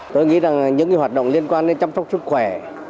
tôi nghĩ rằng những hoạt động liên quan đến chăm sóc sức khỏe